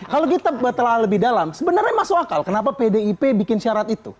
kalau kita telah lebih dalam sebenarnya masuk akal kenapa pdip bikin syarat itu